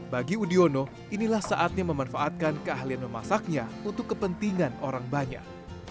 bagi udiono inilah saatnya memanfaatkan keahlian memasaknya untuk kepentingan orang banyak